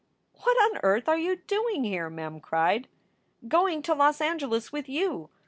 "What on earth are you doing here?" Mem cried. "Going to Los Angeles with you.